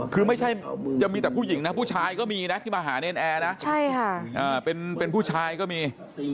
คือว่ามีแต่ผู้หญิงผู้ชายก็มีที่มาหาเน้นแอร์เป็นผู้ชายก็มี